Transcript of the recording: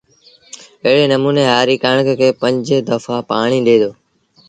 ايڙي نموٚني هآري ڪڻڪ کي با پنج دڦآ پآڻيٚ ڏي دو